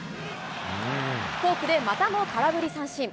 フォークでまたも空振り三振。